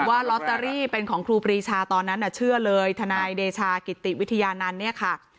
ว่าลอตเตอรี่เป็นของครูปรีชาตอนนั้นเชื่อเลยทนายเดชากิติวิทยานันต์เนี่ยค่ะ